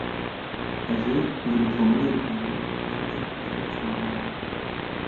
Ez ê wî li komeleyê bibînim an jî ez ê biçim mala wî.